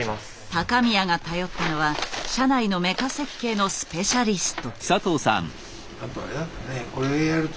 高宮が頼ったのは社内のメカ設計のスペシャリスト。